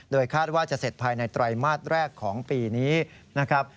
คาดว่าจะเสร็จภายในไตรมาสแรกของปีนี้นะครับ